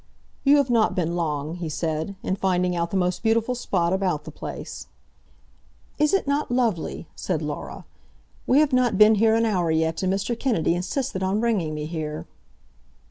"You have not been long," he said, "in finding out the most beautiful spot about the place." "Is it not lovely?" said Laura. "We have not been here an hour yet, and Mr. Kennedy insisted on bringing me here."